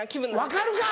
分かるか！